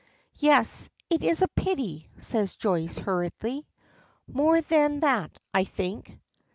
"Yes; it is a pity," says Joyce, hurriedly. "More than that, I think."